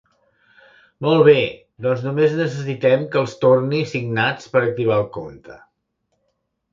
Molt bé, doncs només necessitem que els torni signats per activar el compte.